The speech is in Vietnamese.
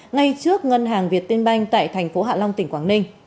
ngay trước ngân hàng việt tiên banh tại thành phố hạ long tỉnh quảng ninh